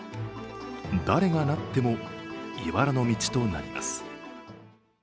誰がなってもいばらの道となります。